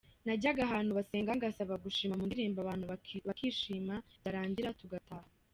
Najyaga ahantu basenga ngasaba gushima mu ndirimbo abantu bakishima byarangira tugataha.